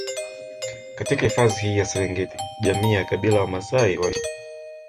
katika hifadhi hii ya Serengeti jamii ya Kabila la Wamaasai waliishi huko